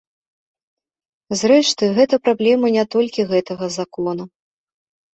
Зрэшты, гэта праблема не толькі гэтага закона.